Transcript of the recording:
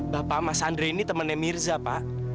bapak mas andre ini temannya mirza pak